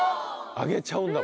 あげちゃうんだ！